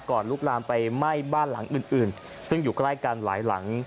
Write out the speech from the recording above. ลุกลามไปไหม้บ้านหลังอื่นอื่นซึ่งอยู่ใกล้กันหลายหลัง